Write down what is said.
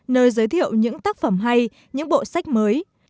nơi giới thiệu những tác phẩm hay những bộ sách mới